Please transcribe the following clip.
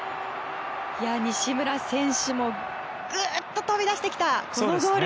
西村選手もぐっと飛び出してきたゴール。